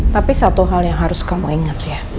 tapi satu hal yang harus kamu ingat ya